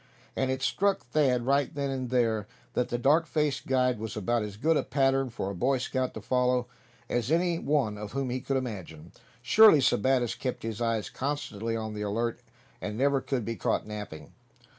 And it struck Thad right then and there that the dark faced guide was about as good a pattern for a Boy Scout to follow, as any one whom he could imagine. Surely Sebattis kept his eyes constantly on the alert; and never could be caught napping.